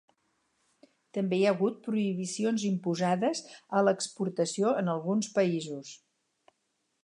També hi ha hagut prohibicions imposades a l'exportació en alguns països.